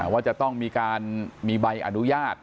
ว่าจะต้องมีการมีใบอนุญาต